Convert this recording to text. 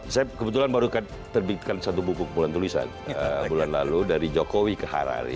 saya kebetulan baru terbitkan satu buku bulan tulisan bulan lalu dari jokowi ke harari